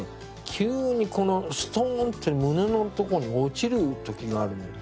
急にストンって胸のところに落ちる時があるのよ。